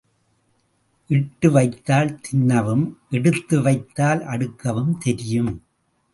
இட்டு வைத்தால் தின்னவும் எடுத்து வைத்தால் அடுக்கவும் தெரியும்.